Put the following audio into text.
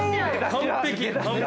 完璧。